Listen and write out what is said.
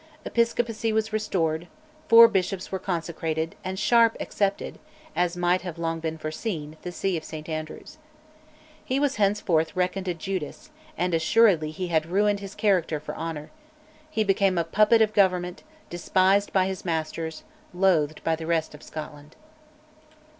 Episcopacy was restored, four bishops were consecrated, and Sharp accepted (as might have long been foreseen) the See of St Andrews. He was henceforth reckoned a Judas, and assuredly he had ruined his character for honour: he became a puppet of Government, despised by his masters, loathed by the rest of Scotland.